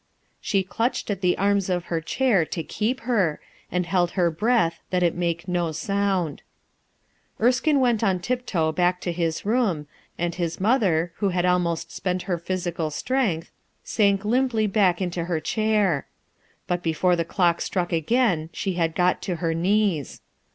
She clutched at the arms of her chair, to keep her, and held her breath that it make no sound. Erskine went on tiptoe back to his room, and his mother, who had almost spent her physical strength, sank limply back into her chair. But before the clock struck again she had got to her knees.